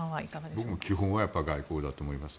僕も基本は外交だと思います。